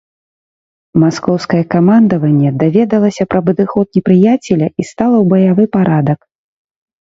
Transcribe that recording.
Маскоўскае камандаванне даведалася пра падыход непрыяцеля і стала ў баявы парадак.